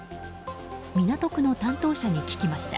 港区の担当者に聞きました。